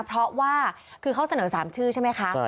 เพราะว่าคือเขาเสนอ๓ชื่อใช่ไหมคะ